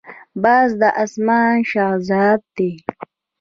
باز د آسمان شهزاده دی